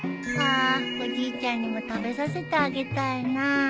あおじいちゃんにも食べさせてあげたいな。